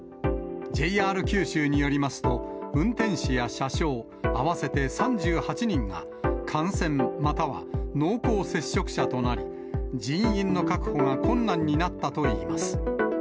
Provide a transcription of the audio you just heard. ＪＲ九州によりますと、運転士や車掌、合わせて３８人が、感染または濃厚接触者となり、人員の確保が困難になったといいます。